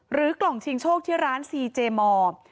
กล่องชิงโชคที่ร้านซีเจมอร์